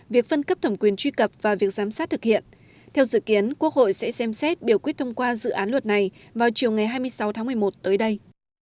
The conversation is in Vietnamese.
việc phân cấp thẩm quyền truy cập và việc giám sát thực hiện theo dự kiến quốc hội sẽ xem xét biểu quyết thông qua dự án luật này vào chiều ngày hai mươi sáu tháng một mươi một tới đây